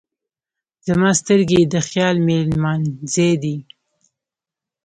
زما سترګې یې د خیال مېلمانځی دی.